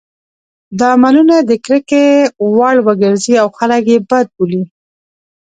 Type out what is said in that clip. دا عملونه د کرکې وړ وګرځي او خلک یې بد بولي.